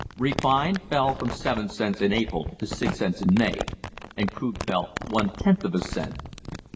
Refined fell from 7 cents in April to 6 cents in May, and crude fell one tenth of a cent.